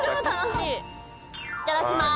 いただきます。